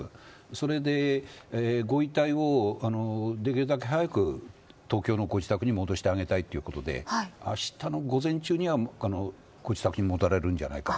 それで、ご遺体をできるだけ早く東京のご自宅に戻してあげたいということであしたの午前中にはご自宅に戻られると思います。